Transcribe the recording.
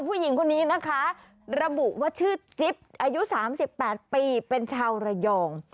ผู้หญิงคนนี้นะคะระบุว่าชื่อจิ๊บอายุ๓๘ปีเป็นชาวระยอง